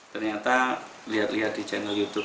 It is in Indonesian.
ternyata lihat lihat di channel youtube